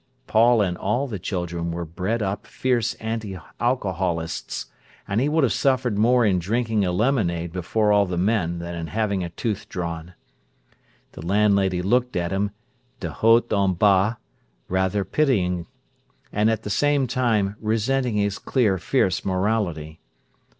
Paul and all the children were bred up fierce anti alcoholists, and he would have suffered more in drinking a lemonade before all the men than in having a tooth drawn. The landlady looked at him de haut en bas, rather pitying, and at the same time, resenting his clear, fierce morality.